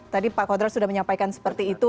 tadi pak kodrat sudah menyampaikan seperti itu